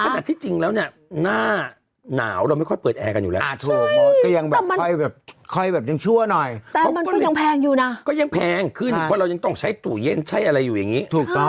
จากที่จริงแล้วนะหน้านาวเราไม่ค่อยเปิดแอร่กันอยู่แหละอย่างชั่วหน่อยแต่ก็ยังแพงขึ้นเพราะเรายังต้องใช้ตูเย็นใช้อะไรอยู่อย่างนี้